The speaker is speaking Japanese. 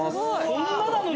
こんななの？